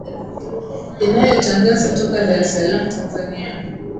inayotangaza toka dar es salaam tanzania